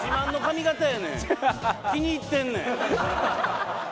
気に入ってんねん。